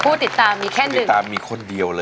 ผู้ติดตามมีแค่นี้ติดตามมีคนเดียวเลย